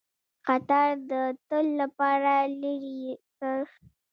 خطر د تل لپاره لیري کړ.